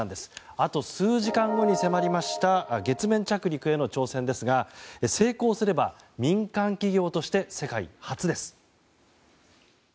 あと数時間後に迫りました月面着陸への挑戦ですが成功すれば民間企業として世界初です。